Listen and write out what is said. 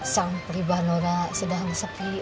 sang pribana sedang sepi